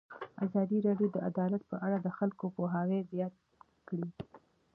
ازادي راډیو د عدالت په اړه د خلکو پوهاوی زیات کړی.